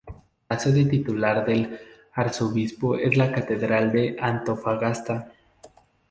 La sede titular del arzobispo es la catedral de Antofagasta.